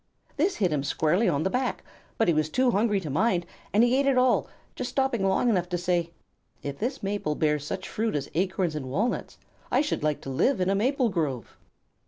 This hit him squarely on the back, but he was too hungry to mind, and he ate it all, just stopping long enough to say: "If this maple bears such fruit as acorns and walnuts, I should like to live in a maple grove."